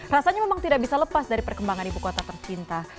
rasanya memang tidak bisa lepas dari perkembangan ibu kota tercinta